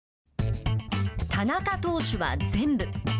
田中投手は「全部」。